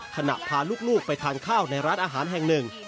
พาลูกไปทานข้าวในร้านอาหารแห่งหนึ่ง